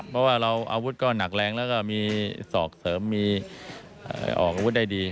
เพราะว่าเราอาวุธก็หนักแรงแล้วก็มีศอกเสริมมีออกอาวุธได้ดี